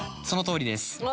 そのとおりです